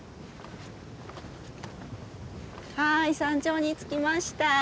はい山頂に着きました。